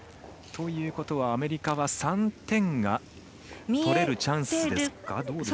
ということはアメリカは３点が取れるチャンスですか。